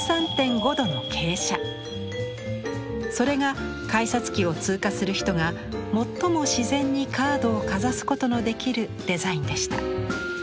それが改札機を通過する人が最も自然にカードをかざすことのできるデザインでした。